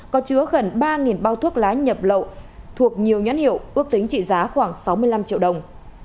có chứa gần ba bao thuốc lá nhập lậu thuộc nhiều nhãn hiệu ước tính trị giá khoảng sáu mươi năm triệu đồng